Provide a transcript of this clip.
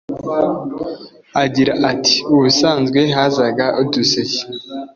Agira ati “Ubusanzwe hazaga uduseke